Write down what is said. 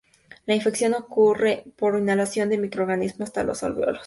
La infección ocurre por inhalación del microorganismo hasta los alveolos.